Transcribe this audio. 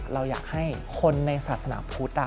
เราอยากให้คนในศาสนาพุทธ